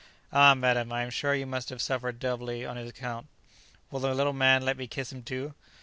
"Ah, madam, I am sure you must have suffered doubly on his account. Will the little man let me kiss him too?"